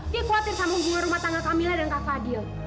dia khawatir sama hubungan rumah tangga kamila dan kak fadil